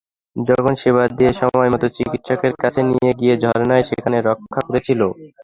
তখন সেবা দিয়ে, সময়মতো চিকিৎসকের কাছে নিয়ে গিয়ে ঝর্ণাই আমাকে রক্ষা করেছিল।